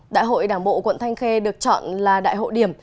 đại hội đảng bộ quận thanh khê được chọn là đại hộ điểm